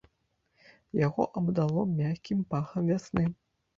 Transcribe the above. Яго абдало мяккім пахам вясны.